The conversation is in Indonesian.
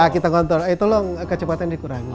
kita kontrol eh tolong kecepatan dikurangi